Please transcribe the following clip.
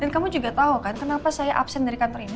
dan kamu juga tahu kan kenapa saya absen dari kantor ini